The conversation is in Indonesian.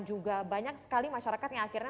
juga banyak sekali masyarakat yang akhirnya